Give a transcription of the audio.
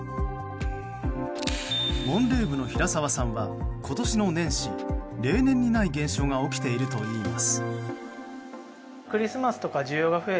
モンレーヴの平澤さんは今年の年始例年にない現象が起きているといいます。